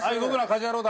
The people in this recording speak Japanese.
『家事ヤロウ！！！』